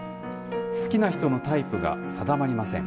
好きな人のタイプが定まりません。